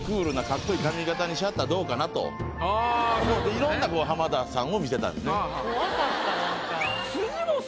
いろんな浜田さんを見せたんですね。